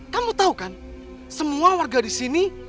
kamu tahu kan semua warga di sini